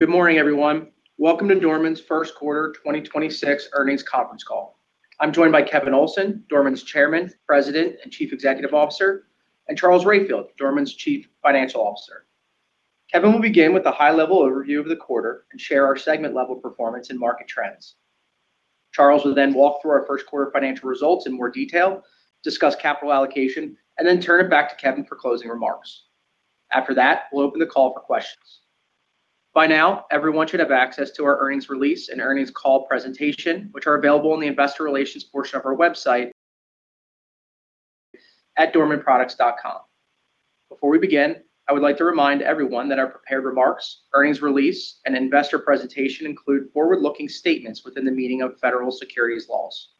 Good morning, everyone. Welcome to Dorman's First Quarter 2026 Earnings Conference Call. I'm joined by Kevin Olsen, Dorman's Chairman, President, and Chief Executive Officer, and Charles Rayfield, Dorman's Chief Financial Officer. Kevin will begin with a high-level overview of the quarter and share our segment-level performance and market trends. Charles will walk through our first quarter financial results in more detail, discuss capital allocation, and then turn it back to Kevin for closing remarks. After that, we'll open the call for questions. By now, everyone should have access to our earnings release and earnings call presentation, which are available in the Investor Relations portion of our website at dormanproducts.com. Before we begin, I would like to remind everyone that our prepared remarks, earnings release, and investor presentation include forward-looking statements within the meaning of federal securities laws.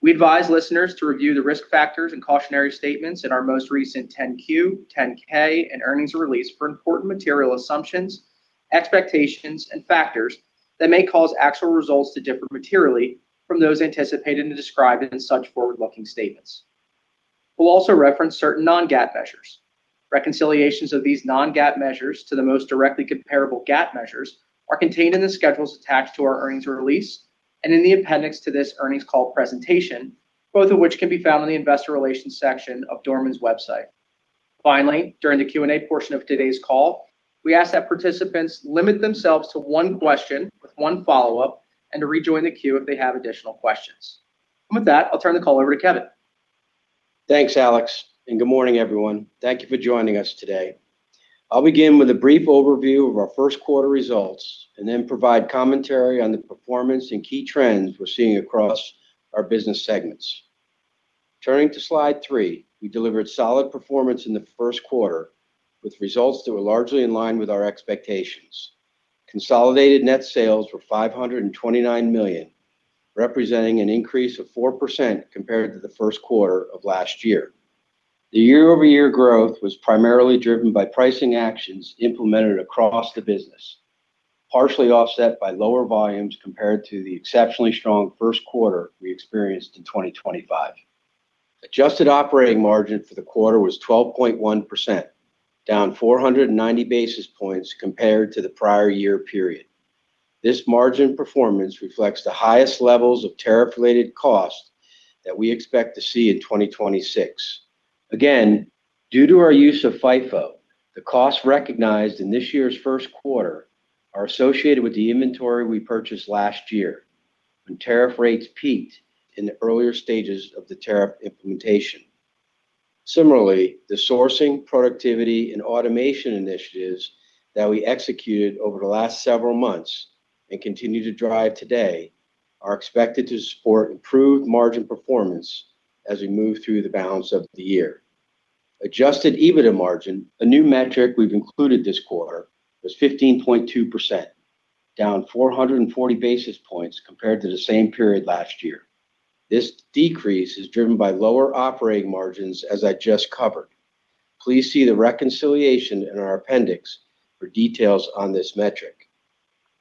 We advise listeners to review the risk factors and cautionary statements in our most recent 10-Q, 10-K, and earnings release for important material assumptions, expectations, and factors that may cause actual results to differ materially from those anticipated and described in such forward-looking statements. We'll also reference certain non-GAAP measures. Reconciliations of these non-GAAP measures to the most directly comparable GAAP measures are contained in the schedules attached to our earnings release and in the appendix to this earnings call presentation, both of which can be found in the investor relations section of Dorman's website. Finally, during the Q&A portion of today's call, we ask that participants limit themselves to one question with one follow-up and to rejoin the queue if they have additional questions. With that, I'll turn the call over to Kevin. Thanks, Alex. Good morning, everyone. Thank you for joining us today. I'll begin with a brief overview of our first quarter results. Then provide commentary on the performance and key trends we're seeing across our business segments. Turning to slide three, we delivered solid performance in the first quarter with results that were largely in line with our expectations. Consolidated net sales were $529 million, representing an increase of 4% compared to the first quarter of last year. The year-over-year growth was primarily driven by pricing actions implemented across the business, partially offset by lower volumes compared to the exceptionally strong first quarter we experienced in 2025. Adjusted operating margin for the quarter was 12.1%, down 490 basis points compared to the prior year period. This margin performance reflects the highest levels of tariff-related cost that we expect to see in 2026. Again, due to our use of FIFO, the cost recognized in this year's first quarter are associated with the inventory we purchased last year when tariff rates peaked in the earlier stages of the tariff implementation. Similarly, the sourcing, productivity, and automation initiatives that we executed over the last several months and continue to drive today are expected to support improved margin performance as we move through the balance of the year. Adjusted EBITDA margin, a new metric we've included this quarter, was 15.2%, down 440 basis points compared to the same period last year. This decrease is driven by lower operating margins as I just covered. Please see the reconciliation in our appendix for details on this metric.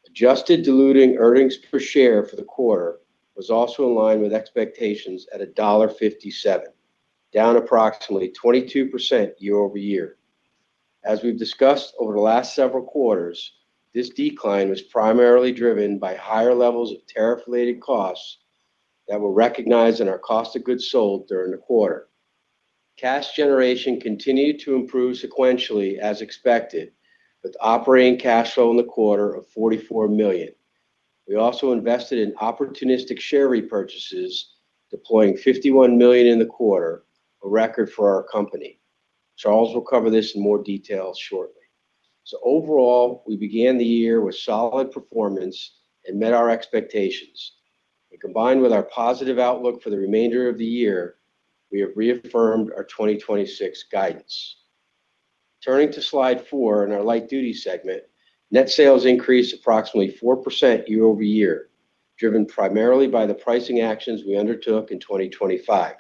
Adjusted diluted earnings per share for the quarter was also in line with expectations at $1.57, down approximately 22% year-over-year. As we've discussed over the last several quarters, this decline was primarily driven by higher levels of tariff-related costs that were recognized in our cost of goods sold during the quarter. Cash generation continued to improve sequentially as expected, with operating cash flow in the quarter of $44 million. We also invested in opportunistic share repurchases, deploying $51 million in the quarter, a record for our company. Charles will cover this in more detail shortly. Overall, we began the year with solid performance and met our expectations. Combined with our positive outlook for the remainder of the year, we have reaffirmed our 2026 guidance. Turning to slide four in our light-duty segment, net sales increased approximately 4% year-over-year, driven primarily by the pricing actions we undertook in 2025.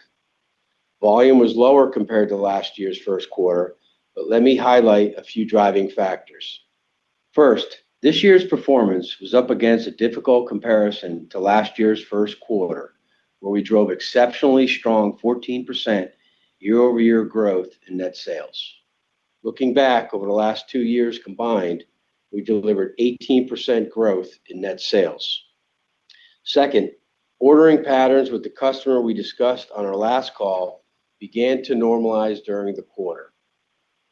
Volume was lower compared to last year's first quarter, but let me highlight a few driving factors. First, this year's performance was up against a difficult comparison to last year's first quarter, where we drove exceptionally strong 14% year-over-year growth in net sales. Looking back over the last 2 years combined, we delivered 18% growth in net sales. Second, ordering patterns with the customer we discussed on our last call began to normalize during the quarter.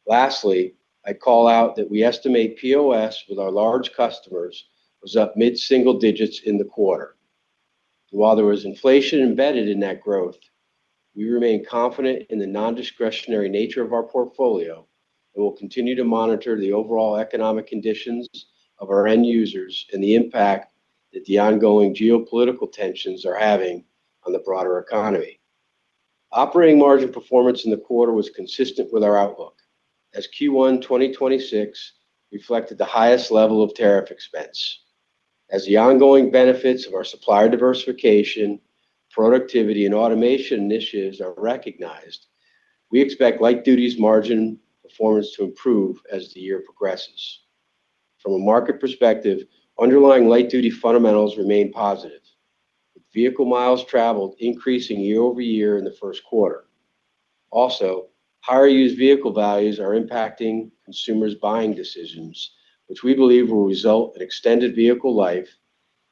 Lastly, I call out that we estimate POS with our large customers was up mid-single digits in the quarter. While there was inflation embedded in that growth, we remain confident in the nondiscretionary nature of our portfolio and will continue to monitor the overall economic conditions of our end users and the impact that the ongoing geopolitical tensions are having on the broader economy. Operating margin performance in the quarter was consistent with our outlook as Q1 2026 reflected the highest level of tariff expense. As the ongoing benefits of our supplier diversification, productivity, and automation initiatives are recognized, we expect light duty's margin performance to improve as the year progresses. From a market perspective, underlying light duty fundamentals remain positive. vehicle miles traveled increasing year-over-year in the first quarter. Also, higher used vehicle values are impacting consumers' buying decisions, which we believe will result in extended vehicle life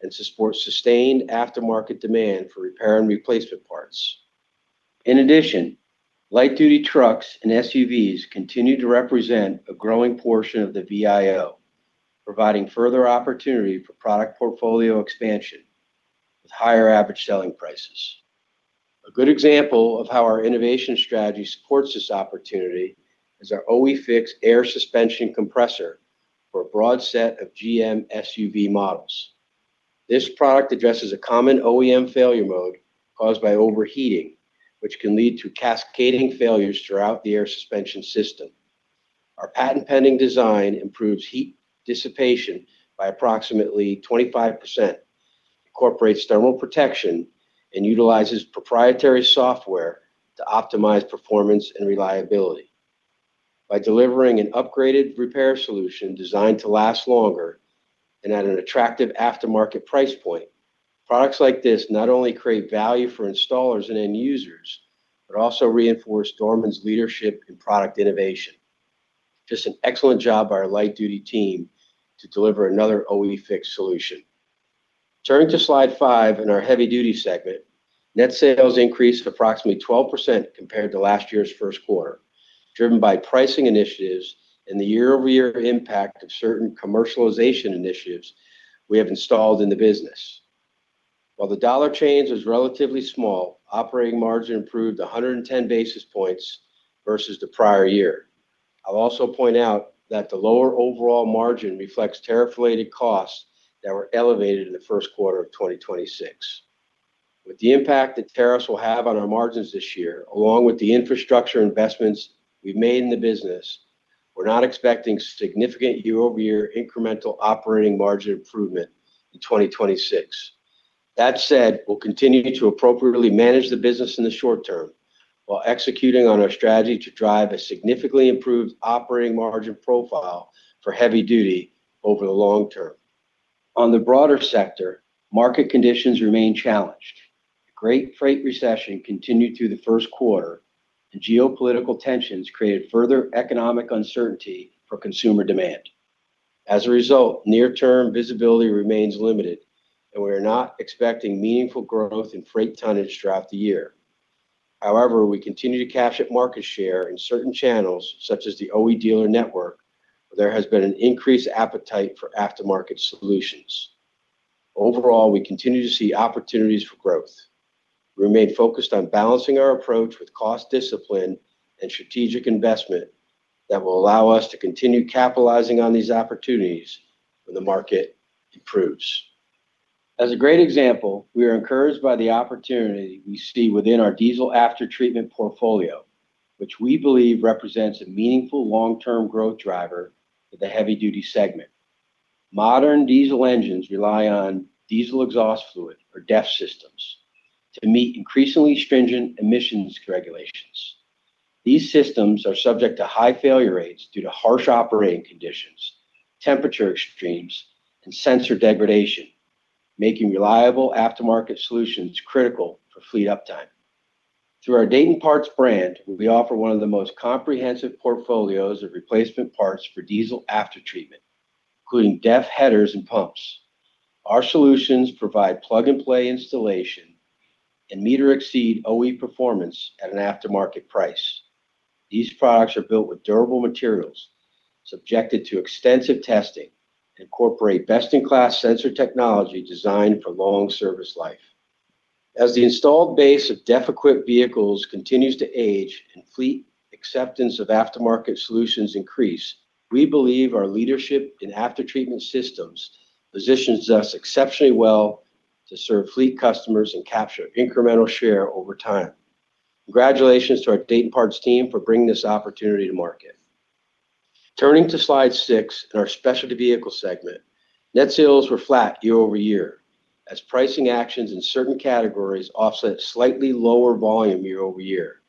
and support sustained aftermarket demand for repair and replacement parts. Light-duty trucks and SUVs continue to represent a growing portion of the VIO, providing further opportunity for product portfolio expansion with higher average selling prices. A good example of how our innovation strategy supports this opportunity is our OE FIX air suspension compressor for a broad set of GM SUV models. This product addresses a common OEM failure mode caused by overheating, which can lead to cascading failures throughout the air suspension system. Our patent-pending design improves heat dissipation by approximately 25%, incorporates thermal protection, and utilizes proprietary software to optimize performance and reliability. By delivering an upgraded repair solution designed to last longer and at an attractive aftermarket price point, products like this not only create value for installers and end users, but also reinforce Dorman's leadership in product innovation. Just an excellent job by our light duty team to deliver another OE FIX solution. Turning to slide five in our Heavy-Duty Segment, net sales increased approximately 12% compared to last year's first quarter, driven by pricing initiatives and the year-over-year impact of certain commercialization initiatives we have installed in the business. While the dollar change is relatively small, operating margin improved 110 basis points versus the prior year. I'll also point out that the lower overall margin reflects tariff-related costs that were elevated in the first quarter of 2026. With the impact that tariffs will have on our margins this year, along with the infrastructure investments we've made in the business, we're not expecting significant year-over-year incremental operating margin improvement in 2026. That said, we'll continue to appropriately manage the business in the short term while executing on our strategy to drive a significantly improved operating margin profile for heavy duty over the long term. On the broader sector, market conditions remain challenged. Great freight recession continued through the first quarter, and geopolitical tensions created further economic uncertainty for consumer demand. As a result, near-term visibility remains limited, and we are not expecting meaningful growth in freight tonnage throughout the year. However, we continue to capture market share in certain channels, such as the OE dealer network, where there has been an increased appetite for aftermarket solutions. Overall, we continue to see opportunities for growth. We remain focused on balancing our approach with cost discipline and strategic investment that will allow us to continue capitalizing on these opportunities when the market improves. As a great example, we are encouraged by the opportunity we see within our diesel aftertreatment portfolio, which we believe represents a meaningful long-term growth driver for the Heavy-Duty Segment. Modern diesel engines rely on diesel exhaust fluid, or DEF systems, to meet increasingly stringent emissions regulations. These systems are subject to high failure rates due to harsh operating conditions, temperature extremes, and sensor degradation, making reliable aftermarket solutions critical for fleet uptime. Through our Dayton Parts brand, we offer one of the most comprehensive portfolios of replacement parts for diesel aftertreatment, including DEF heaters and pumps. Our solutions provide plug-and-play installation and meet or exceed OE performance at an aftermarket price. These products are built with durable materials, subjected to extensive testing, and incorporate best-in-class sensor technology designed for long service life. As the installed base of DEF-equipped vehicles continues to age and fleet acceptance of aftermarket solutions increase, we believe our leadership in aftertreatment systems positions us exceptionally well to serve fleet customers and capture incremental share over time. Congratulations to our Dayton Parts team for bringing this opportunity to market. Turning to slide six in our Specialty Vehicle Segment, net sales were flat year-over-year as pricing actions in certain categories offset slightly lower volume year-over-year.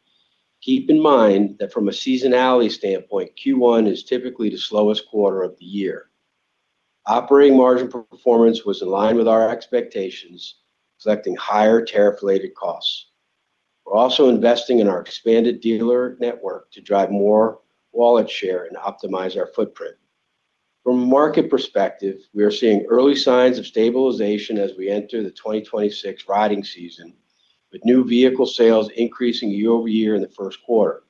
Keep in mind that from a seasonality standpoint, Q1 is typically the slowest quarter of the year. Operating margin performance was in line with our expectations, reflecting higher tariff-related costs. We're also investing in our expanded dealer network to drive more wallet share and optimize our footprint. From a market perspective, we are seeing early signs of stabilization as we enter the 2026 riding season, with new vehicle sales increasing year-over-year in the first quarter.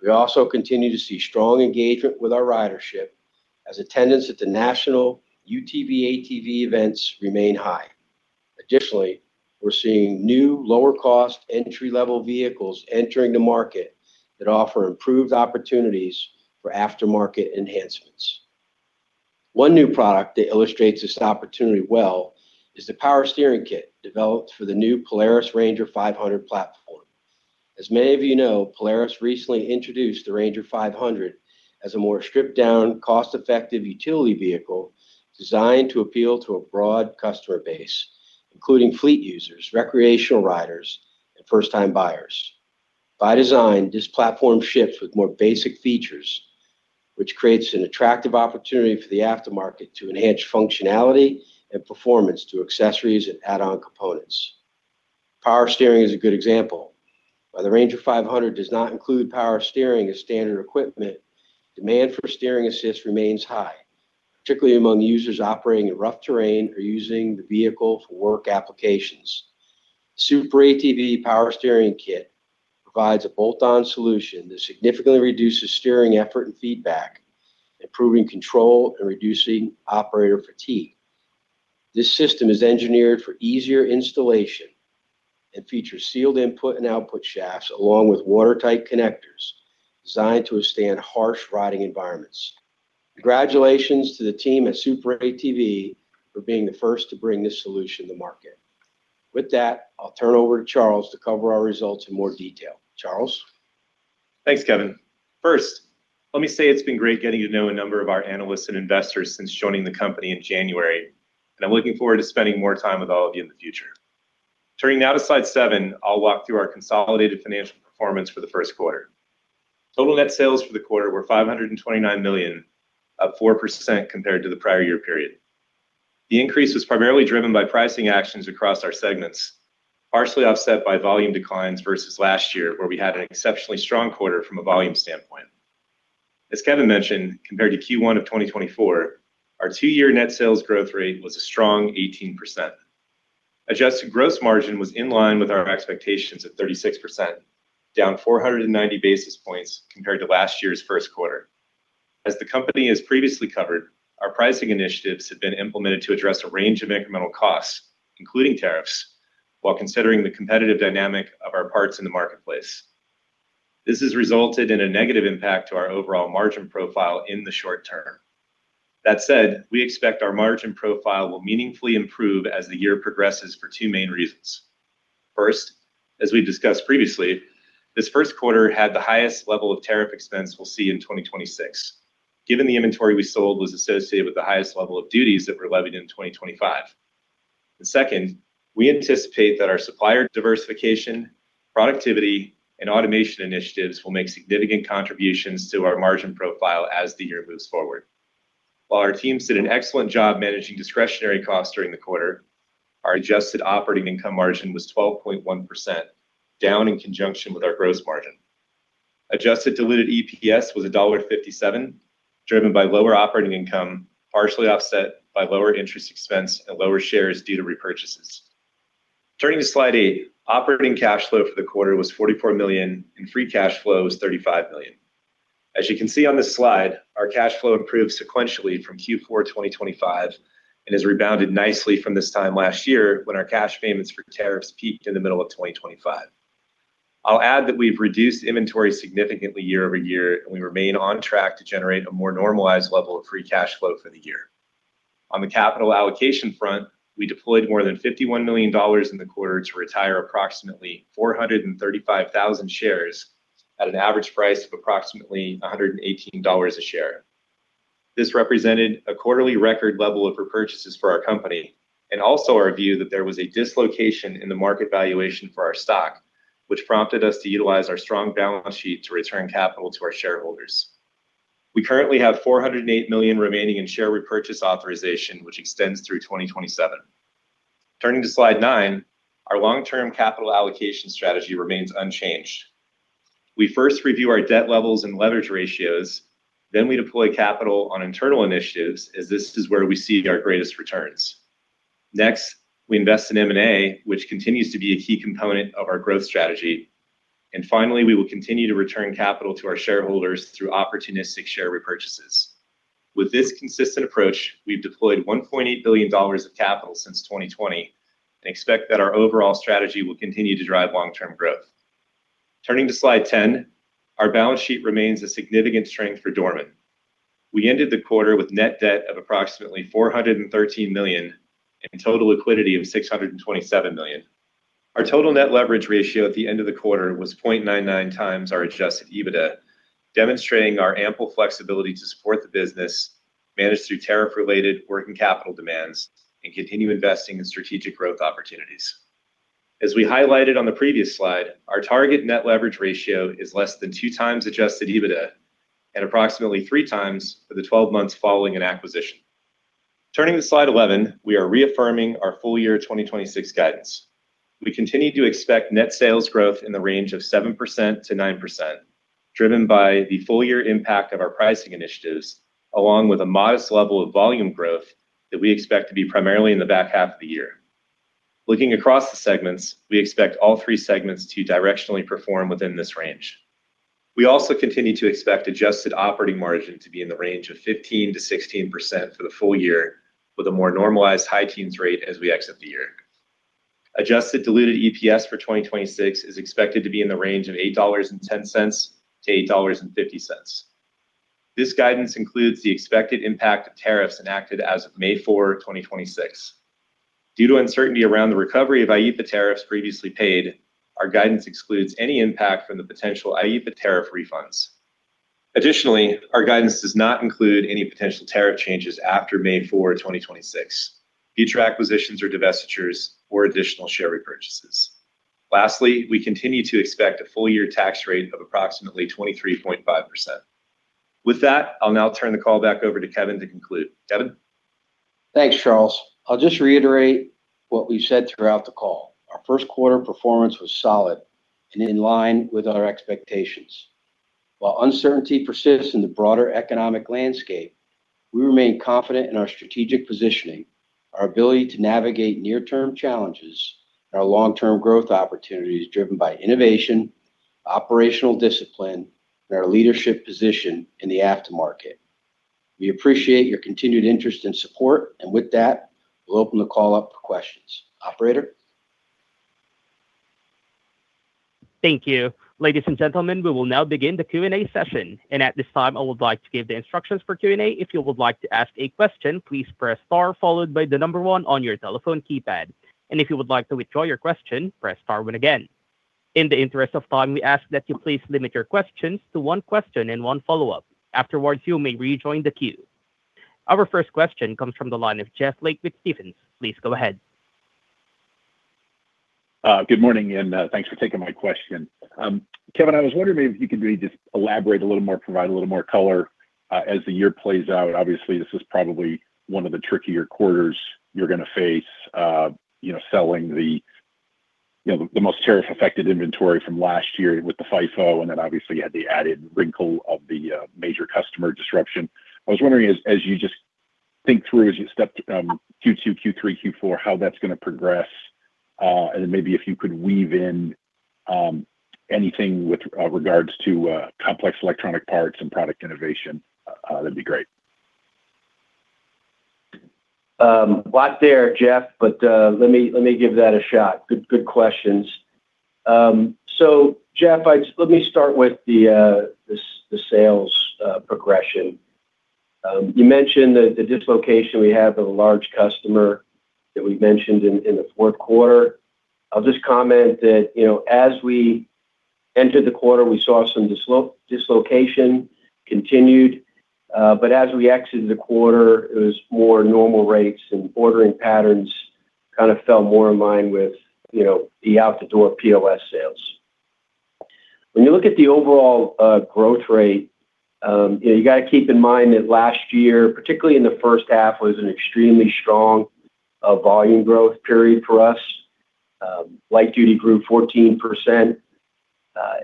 We also continue to see strong engagement with our ridership as attendance at the national UTV/ATV events remain high. Additionally, we're seeing new lower-cost entry-level vehicles entering the market that offer improved opportunities for aftermarket enhancements. One new product that illustrates this opportunity well is the power steering kit developed for the new Polaris Ranger 500 platform. As many of you know, Polaris recently introduced the Ranger 500 as a more stripped-down, cost-effective utility vehicle designed to appeal to a broad customer base, including fleet users, recreational riders, and first-time buyers. By design, this platform ships with more basic features, which creates an attractive opportunity for the aftermarket to enhance functionality and performance through accessories and add-on components. Power steering is a good example. While the Ranger 500 does not include power steering as standard equipment, demand for steering assist remains high, particularly among users operating in rough terrain or using the vehicle for work applications. SuperATV power steering kit provides a bolt-on solution that significantly reduces steering effort and feedback, improving control and reducing operator fatigue. This system is engineered for easier installation and features sealed input and output shafts, along with watertight connectors designed to withstand harsh riding environments. Congratulations to the team at SuperATV for being the first to bring this solution to market. With that, I'll turn over to Charles to cover our results in more detail. Charles? Thanks, Kevin. First, let me say it's been great getting to know a number of our analysts and investors since joining the company in January, and I'm looking forward to spending more time with all of you in the future. Turning now to slide seven, I'll walk through our consolidated financial performance for the first quarter. Total net sales for the quarter were $529 million, up 4% compared to the prior year period. The increase was primarily driven by pricing actions across our segments, partially offset by volume declines versus last year, where we had an exceptionally strong quarter from a volume standpoint. As Kevin mentioned, compared to Q1 of 2024, our two-year net sales growth rate was a strong 18%. Adjusted gross margin was in line with our expectations at 36%, down 490 basis points compared to last year's first quarter. As the company has previously covered, our pricing initiatives have been implemented to address a range of incremental costs, including tariffs, while considering the competitive dynamic of our parts in the marketplace. This has resulted in a negative impact to our overall margin profile in the short term. That said, we expect our margin profile will meaningfully improve as the year progresses for two main reasons. First, as we discussed previously, this first quarter had the highest level of tariff expense we'll see in 2026. Given the inventory we sold was associated with the highest level of duties that were levied in 2025. Second, we anticipate that our supplier diversification, productivity, and automation initiatives will make significant contributions to our margin profile as the year moves forward. While our teams did an excellent job managing discretionary costs during the quarter, our adjusted operating income margin was 12.1%, down in conjunction with our gross margin. Adjusted diluted EPS was $1.57, driven by lower operating income, partially offset by lower interest expense and lower shares due to repurchases. Turning to slide eight, operating cash flow for the quarter was $44 million, and free cash flow was $35 million. As you can see on this slide, our cash flow improved sequentially from Q4 2025 and has rebounded nicely from this time last year when our cash payments for tariffs peaked in the middle of 2025. I'll add that we've reduced inventory significantly year-over-year. We remain on track to generate a more normalized level of free cash flow for the year. On the capital allocation front, we deployed more than $51 million in the quarter to retire approximately 435,000 shares at an average price of approximately $118 a share. This represented a quarterly record level of repurchases for our company and also our view that there was a dislocation in the market valuation for our stock, which prompted us to utilize our strong balance sheet to return capital to our shareholders. We currently have $408 million remaining in share repurchase authorization, which extends through 2027. Turning to slide nine, our long-term capital allocation strategy remains unchanged. We first review our debt levels and leverage ratios, then we deploy capital on internal initiatives, as this is where we see our greatest returns. We invest in M&A, which continues to be a key component of our growth strategy. Finally, we will continue to return capital to our shareholders through opportunistic share repurchases. With this consistent approach, we've deployed $1.8 billion of capital since 2020 and expect that our overall strategy will continue to drive long-term growth. Turning to slide 10, our balance sheet remains a significant strength for Dorman. We ended the quarter with net debt of approximately $413 million and total liquidity of $627 million. Our total net leverage ratio at the end of the quarter was 0.99x our adjusted EBITDA, demonstrating our ample flexibility to support the business, manage through tariff-related working capital demands, and continue investing in strategic growth opportunities. As we highlighted on the previous slide, our target net leverage ratio is less than 2x adjusted EBITDA and approximately 3x for the 12 months following an acquisition. Turning to slide 11, we are reaffirming our full year 2026 guidance. We continue to expect net sales growth in the range of 7%-9%, driven by the full year impact of our pricing initiatives, along with a modest level of volume growth that we expect to be primarily in the back half of the year. Looking across the segments, we expect all 3 segments to directionally perform within this range. We also continue to expect adjusted operating margin to be in the range of 15%-16% for the full year, with a more normalized high teens rate as we exit the year. Adjusted diluted EPS for 2026 is expected to be in the range of $8.10-$8.50. This guidance includes the expected impact of tariffs enacted as of May 4, 2026. Due to uncertainty around the recovery of IEEPA tariffs previously paid, our guidance excludes any impact from the potential IEEPA tariff refunds. Our guidance does not include any potential tariff changes after May 4, 2026, future acquisitions or divestitures, or additional share repurchases. We continue to expect a full year tax rate of approximately 23.5%. With that, I'll now turn the call back over to Kevin to conclude. Kevin? Thanks, Charles. I'll just reiterate what we've said throughout the call. Our first quarter performance was solid and in line with our expectations. While uncertainty persists in the broader economic landscape, we remain confident in our strategic positioning, our ability to navigate near-term challenges, and our long-term growth opportunities driven by innovation, operational discipline, and our leadership position in the aftermarket. We appreciate your continued interest and support. With that, we'll open the call up for questions. Operator? Thank you. Ladies and gentlemen, we will now begin the Q&A session. At this time, I would like to give the instructions for Q&A. If you would like to ask a question, please press star followed by the one on your telephone keypad. If you would like to withdraw your question, press star one again. In the interest of time, we ask that you please limit your questions to one question and one follow-up. Afterwards, you may rejoin the queue. Our first question comes from the line of Jeff Lick with Stephens. Please go ahead. Good morning, and thanks for taking my question. Kevin, I was wondering if you could maybe just elaborate a little more, provide a little more color, as the year plays out. Obviously, this is probably one of the trickier quarters you're gonna face, you know, selling the, you know, the most tariff-affected inventory from last year with the FIFO, and then obviously you had the added wrinkle of the major customer disruption. I was wondering as you just think through as you step, Q2, Q3, Q4, how that's gonna progress. Then maybe if you could weave in anything with regards to complex electronic parts and product innovation, that'd be great. A lot there, Jeff, let me give that a shot. Good, good questions. Jeff, let me start with the sales progression. You mentioned the dislocation we had with a large customer that we mentioned in the fourth quarter. I'll just comment that, you know, as we entered the quarter, we saw some dislocation continued. As we exited the quarter, it was more normal rates, and ordering patterns kind of fell more in line with, you know, the out-the-door POS sales. When you look at the overall growth rate, you know, you gotta keep in mind that last year, particularly in the first half, was an extremely strong volume growth period for us. Light-Duty grew 14%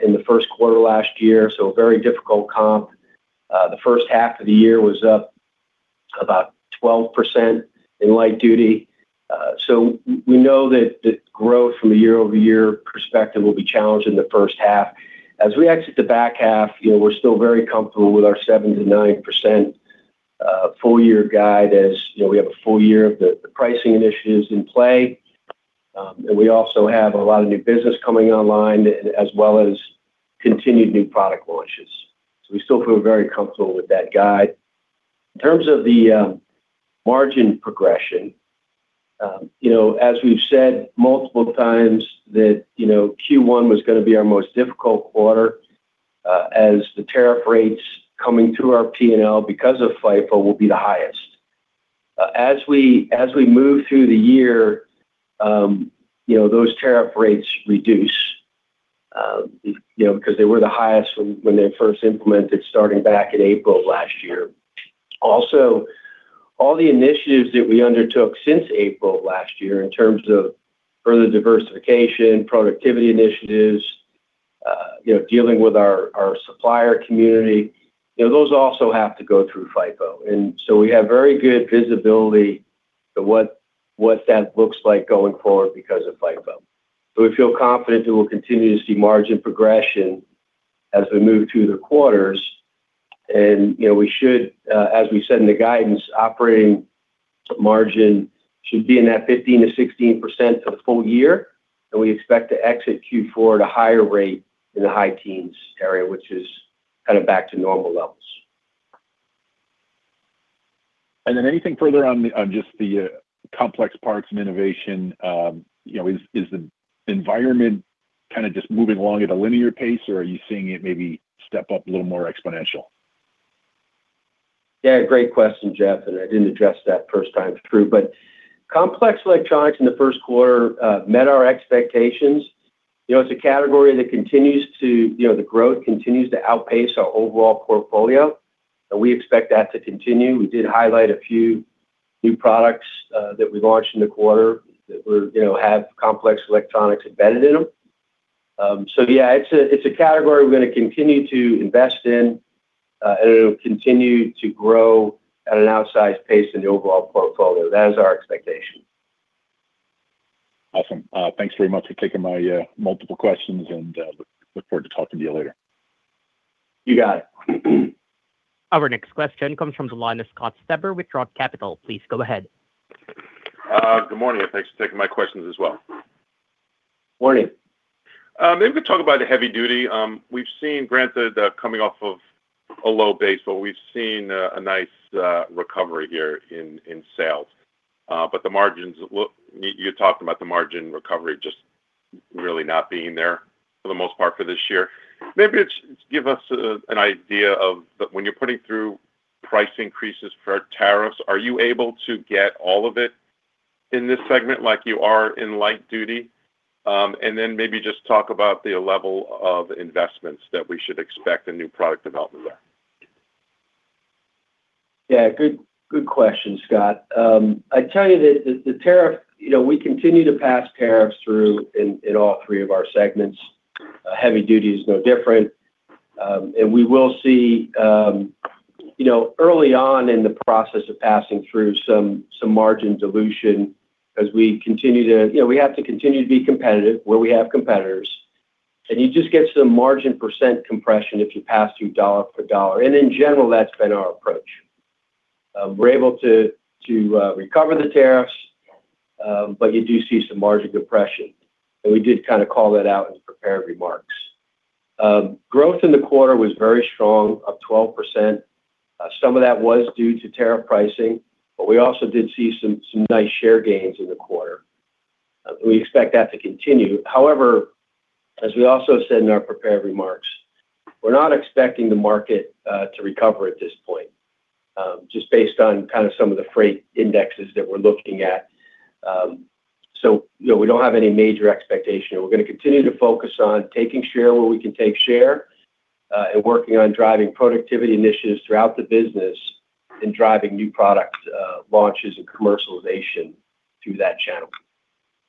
in the first quarter last year, so a very difficult comp. The first half of the year was up about 12% in Light-Duty. We know that the growth from a year-over-year perspective will be challenged in the first half. As we exit the back half, you know, we're still very comfortable with our 7%-9% full-year guide, as, you know, we have a full year of the pricing initiatives in play. We also have a lot of new business coming online as well as continued new product launches. We still feel very comfortable with that guide. In terms of the margin progression, you know, as we've said multiple times that, you know, Q1 was gonna be our most difficult quarter, as the tariff rates coming through our P&L because of FIFO will be the highest. As we move through the year, you know, those tariff rates reduce, you know, because they were the highest when they first implemented starting back in April of last year. Also, all the initiatives that we undertook since April of last year in terms of further diversification, productivity initiatives, you know, dealing with our supplier community, you know, those also have to go through FIFO. So we have very good visibility to what that looks like going forward because of FIFO. We feel confident that we'll continue to see margin progression as we move through the quarters. You know, we should, as we said in the guidance, operating margin should be in that 15%-16% for the full year, and we expect to exit Q4 at a higher rate in the high teens area, which is kind of back to normal levels. Anything further on just the complex parts and innovation? You know, is the environment kind of just moving along at a linear pace, or are you seeing it maybe step up a little more exponential? Yeah, great question, Jeff, I didn't address that first time through. Complex electronics in the first quarter met our expectations. You know, it's a category that continues to, you know, the growth continues to outpace our overall portfolio, and we expect that to continue. We did highlight a few new products that we launched in the quarter that were, you know, have complex electronics embedded in them. Yeah, it's a, it's a category we're gonna continue to invest in, and it'll continue to grow at an outsized pace in the overall portfolio. That is our expectation. Awesome. Thanks very much for taking my multiple questions. Look forward to talking to you later. You got it. Our next question comes from the line of Scott Stember with Roth Capital. Please go ahead. Good morning, and thanks for taking my questions as well. Morning. Maybe to talk about the Heavy-Duty. We've seen, granted, coming off of a low base, but we've seen a nice recovery here in sales. You talked about the margin recovery just really not being there for the most part for this year. Maybe just give us an idea of when you're putting through price increases for tariffs, are you able to get all of it in this segment like you are in Light-Duty? Then maybe just talk about the level of investments that we should expect in new product development there. Yeah, good question, Scott. I tell you that the tariff, you know, we continue to pass tariffs through in all 3 of our segments. Heavy-Duty is no different. We will see, you know, early on in the process of passing through some margin dilution. You know, we have to continue to be competitive where we have competitors, and you just get some margin percent compression if you pass through dollar for dollar. In general, that's been our approach. We're able to recover the tariffs, but you do see some margin depression, and we did kind of call that out in prepared remarks. Growth in the quarter was very strong, up 12%. Some of that was due to tariff pricing, but we also did see some nice share gains in the quarter. We expect that to continue. However, as we also said in our prepared remarks, we're not expecting the market to recover at this point, just based on kind of some of the freight indexes that we're looking at. You know, we don't have any major expectation. We're gonna continue to focus on taking share where we can take share, and working on driving productivity initiatives throughout the business and driving new product launches and commercialization through that channel.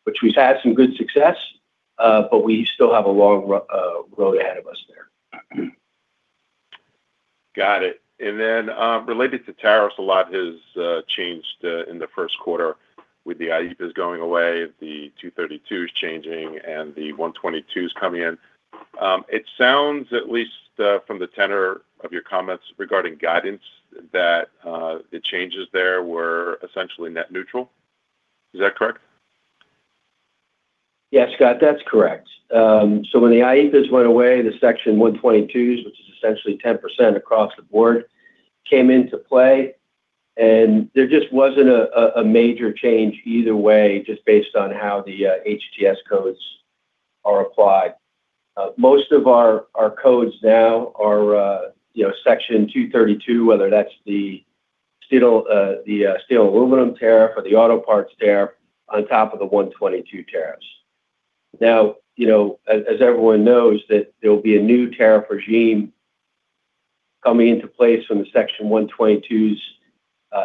Which we've had some good success, but we still have a long road ahead of us there. Got it. Related to tariffs, a lot has changed in the first quarter with the IEEPAs going away, the 232s changing, and the 122s coming in. It sounds, at least, from the tenor of your comments regarding guidance that the changes there were essentially net neutral. Is that correct? Yeah, Scott, that's correct. When the IEEPAs went away, the Section 122s, which is essentially 10% across the board, came into play and there just wasn't a major change either way just based on how the HTS codes are applied. Most of our codes now are, you know, Section 232, whether that's the steel, the steel aluminum tariff or the auto parts tariff on top of the 122 tariffs. You know, as everyone knows, that there will be a new tariff regime coming into place when the Section 122s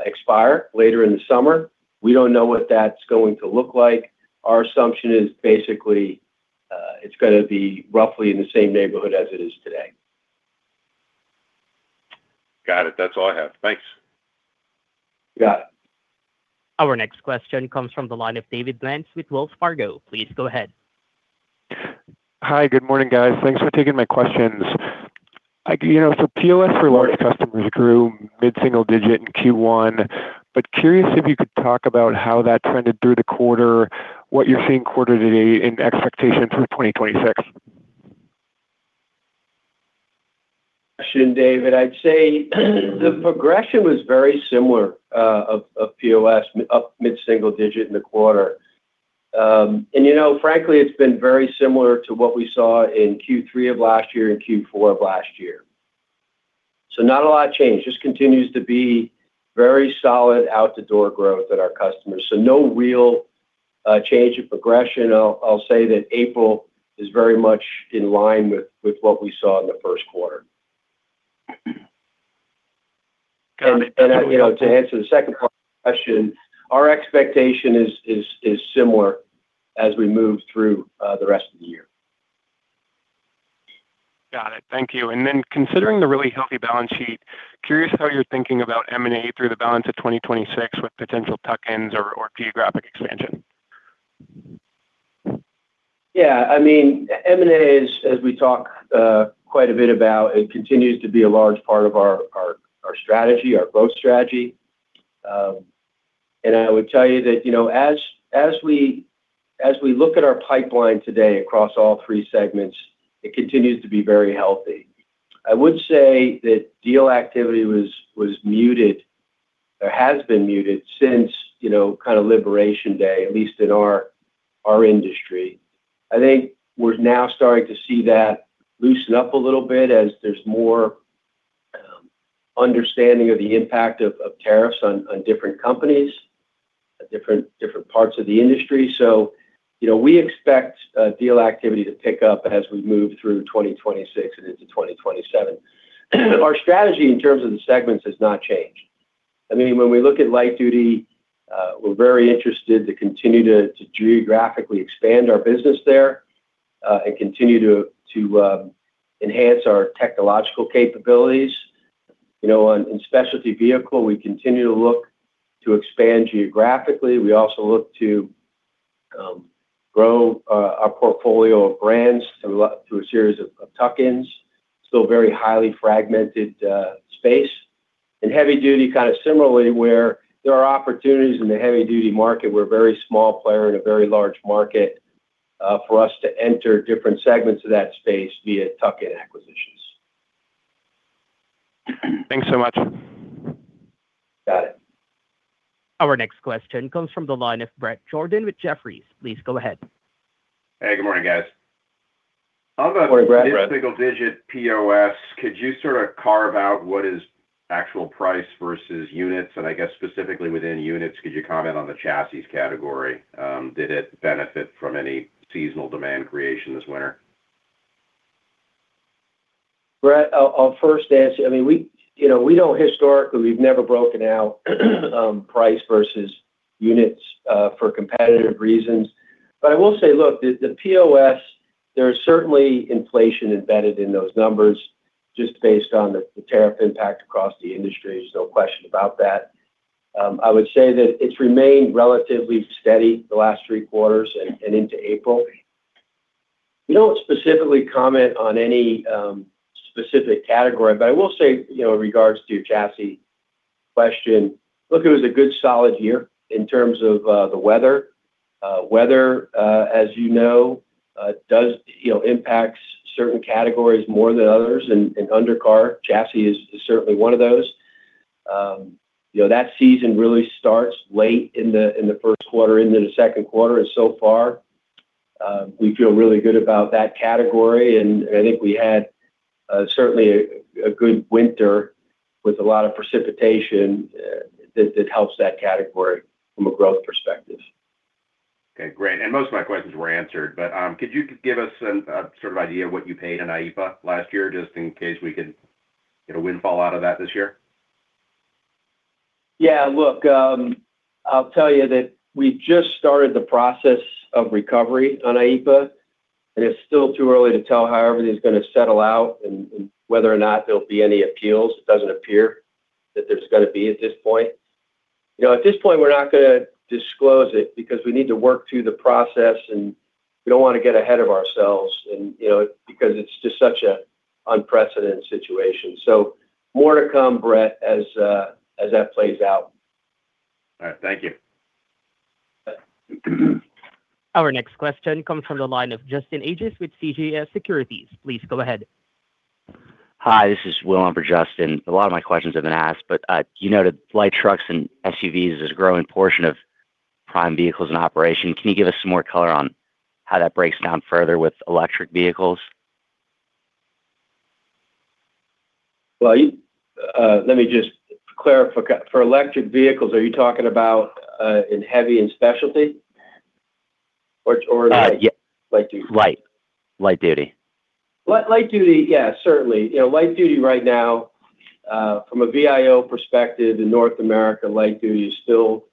expire later in the summer. We don't know what that's going to look like. Our assumption is basically, it's going to be roughly in the same neighborhood as it is today. Got it. That's all I have. Thanks. You got it. Our next question comes from the line of David Lantz with Wells Fargo. Please go ahead. Hi. Good morning, guys. Thanks for taking my questions. Like, you know, POS for large customers grew mid-single digit in Q1, but curious if you could talk about how that trended through the quarter, what you're seeing quarter to date and expectations for 2026. [Good] question, David. I'd say the progression was very similar, of POS, up mid-single digit in the quarter. You know, frankly, it's been very similar to what we saw in Q3 of last year and Q4 of last year. Not a lot of change. Just continues to be very solid out-the-door growth at our customers. No real change in progression. I'll say that April is very much in line with what we saw in the first quarter. You know, to answer the second question, our expectation is similar as we move through the rest of the year. Got it. Thank you. Then considering the really healthy balance sheet, curious how you're thinking about M&A through the balance of 2026 with potential tuck-ins or geographic expansion. I mean, M&A is, as we talk quite a bit about, it continues to be a large part of our strategy, our growth strategy. And I would tell you that, you know, as we look at our pipeline today across all three segments, it continues to be very healthy. I would say that deal activity was muted or has been muted since, you know, kind of Liberation Day, at least in our industry. I think we're now starting to see that loosen up a little bit as there's more understanding of the impact of tariffs on different companies, different parts of the industry. You know, we expect deal activity to pick up as we move through 2026 and into 2027. Our strategy in terms of the segments has not changed. I mean, when we look at Light-Duty, we're very interested to continue to geographically expand our business there, and continue to enhance our technological capabilities. You know, in specialty vehicle, we continue to look to expand geographically. We also look to grow our portfolio of brands through a series of tuck-ins. Still very highly fragmented space. In Heavy-Duty, kind of similarly, where there are opportunities in the heavy-duty market, we're a very small player in a very large market, for us to enter different segments of that space via tuck-in acquisitions. Thanks so much. Got it. Our next question comes from the line of Bret Jordan with Jefferies. Please go ahead. Hey, good morning, guys. On the- Good morning, Bret this single-digit POS, could you sort of carve out what is actual price versus units? I guess specifically within units, could you comment on the chassis category? Did it benefit from any seasonal demand creation this winter? Bret, I'll first answer. I mean, we, you know, we don't historically, we've never broken out price versus units for competitive reasons. I will say, look, the POS, there's certainly inflation embedded in those numbers just based on the tariff impact across the industry. There's no question about that. I would say that it's remained relatively steady the last 3 quarters and into April. We don't specifically comment on any specific category, I will say, you know, in regards to your chassis question, look, it was a good solid year in terms of the weather. Weather, as you know, does, you know, impacts certain categories more than others and under car chassis is certainly one of those. You know, that season really starts late in the 1st quarter into the 2nd quarter, and so far, we feel really good about that category, and I think we had, certainly a good winter with a lot of precipitation, that helps that category from a growth perspective. Okay, great. Most of my questions were answered, but, could you give us a sort of idea of what you paid on IEEPA last year just in case we could get a windfall out of that this year? Yeah. Look, I'll tell you that we just started the process of recovery on IEEPA, and it's still too early to tell how everything's gonna settle out and whether or not there'll be any appeals. It doesn't appear that there's gonna be at this point. You know, at this point, we're not gonna disclose it because we need to work through the process, and we don't wanna get ahead of ourselves and, you know, because it's just such a unprecedented situation. More to come, Bret, as that plays out. All right. Thank you. Our next question comes from the line of Justin Ages with CJS Securities. Please go ahead. Hi, this is Will on for Justin. A lot of my questions have been asked, but you noted light trucks and SUVs is a growing portion of prime vehicles in operation. Can you give us some more color on how that breaks down further with electric vehicles? Well, let me just clarify. For electric vehicles, are you talking about in Heavy and Specialty or? Yeah. Light-Duty? Light, Light-Duty. Light-Duty, yeah, certainly. You know, Light-Duty right now, from a VIO perspective in North America, Light-Duty is still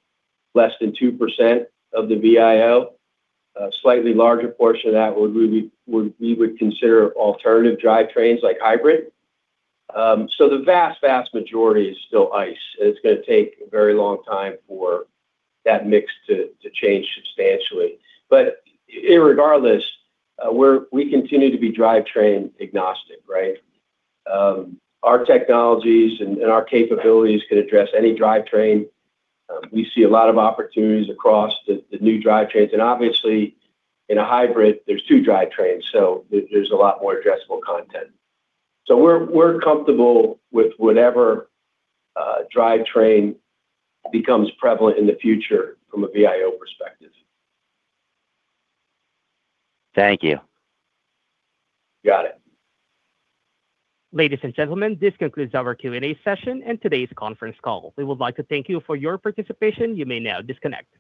less than 2% of the VIO. A slightly larger portion of that would be we would consider alternative drivetrains like hybrid. The vast majority is still ICE, and it's gonna take a very long time for that mix to change substantially. Regardless, we continue to be drivetrain agnostic, right? Our technologies and our capabilities could address any drivetrain. We see a lot of opportunities across the new drivetrains. Obviously in a hybrid there's 2 drivetrains, there's a lot more addressable content. We're comfortable with whatever drivetrain becomes prevalent in the future from a VIO perspective. Thank you. Got it. Ladies and gentlemen, this concludes our Q&A session and today's conference call. We would like to thank you for your participation. You may now disconnect.